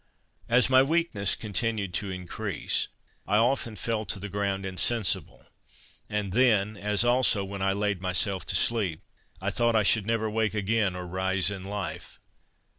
As my weakness continued to increase, I often fell to the ground insensible, and then, as also when I laid myself to sleep, I thought I should never awake again, or rise in life.